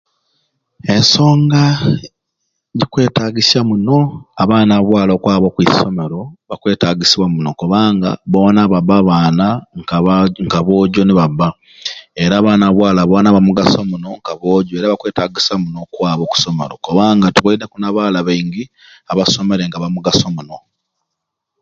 Ensonga gikwetagisya muno abaana ba bwala okwaba okwisomero bakwetagisibwa muno kubanga boona babba baana nk'abaa nka aboojo ni babba era abaana ba bwala boona bamigaso muno nka boojo era bakwetagisa muno okwaba okusomero kubanga tuboineku n'abala bangi abasomere nga bamugaso muno.